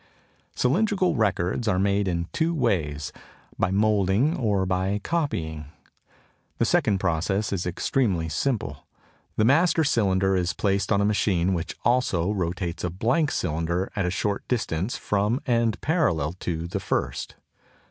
Cylindrical records are made in two ways, by moulding or by copying. The second process is extremely simple. The "master" cylinder is placed on a machine which also rotates a blank cylinder at a short distance from and parallel to the first.